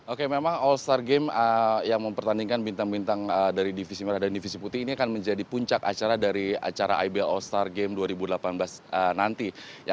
oke memang all star game yang mempertandingkan bintang bintang dari divisi merah dan divisi putih ini akan menjadi puncak acara dari acara ibl all star game dua ribu delapan belas nanti